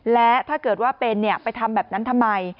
และถ้าเกิดว่าเป็นไปทำแบบนั้นทำไม